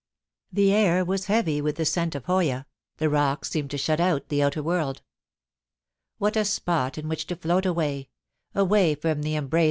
The air was heavy with the scent of hoya; the rocks seemed to shut out the outer world. What a spot in which to float away — away from the embrace 18— 2 2/6 POLICY AND PASSION.